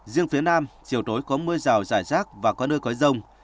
riêng phía nam chiều tối có mưa rào giải rác và có nơi có giông